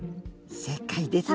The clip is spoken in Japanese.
正解ですね。